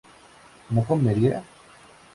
¿no comería?